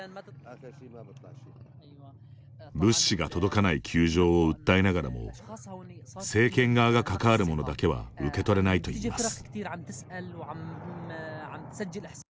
物資が届かない窮状を訴えながらも政権側が関わるものだけは受け取れないといいます。